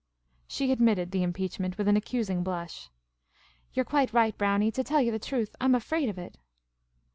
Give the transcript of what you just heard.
She admitted the impeachment with an accusing blush. " You 're quite right, Brownie ; to tell you the truth, I 'm afraid of it."